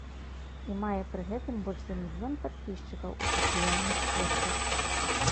І мае пры гэтым больш за мільён падпісчыкаў у сацыяльных сетках.